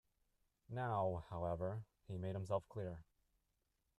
Now, however, he made himself clear.